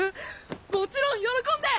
もちろん喜んで！